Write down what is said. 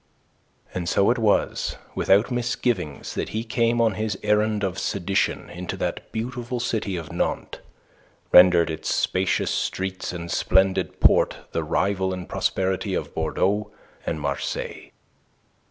And so it was without misgivings that he came on his errand of sedition into that beautiful city of Nantes, rendered by its spacious streets and splendid port the rival in prosperity of Bordeaux and Marseilles.